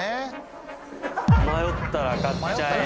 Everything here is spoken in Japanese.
「迷ったら買っちゃえ！」